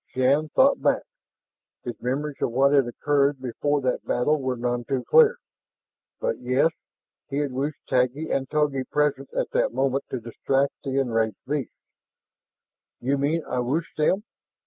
Shann thought back; his memories of what had occurred before that battle were none too clear. But, yes, he had wished Taggi and Togi present at that moment to distract the enraged beast. "You mean I wished them?"